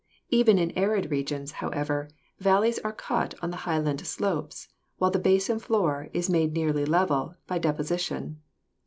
Even in arid regions, however, valleys are cut on the highland slopes, while the basin floor is made nearly level by deposition.